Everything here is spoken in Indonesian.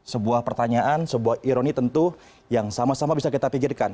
sebuah pertanyaan sebuah ironi tentu yang sama sama bisa kita pikirkan